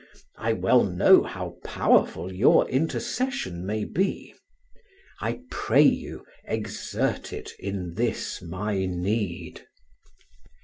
I well know how powerful your intercession may be. I pray you, exert it in this my need.